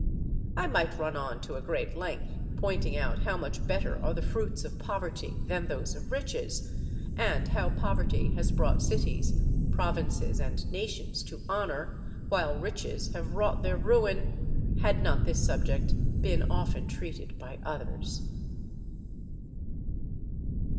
I might run on to a great length pointing out how much better are the fruits of poverty than those of riches, and how poverty has brought cities, provinces, and nations to honour, while riches have wrought their ruin, had not this subject been often treated by others.